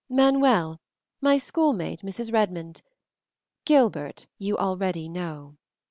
Manuel, my schoolmate, Mrs. Redmond; Gilbert you already know."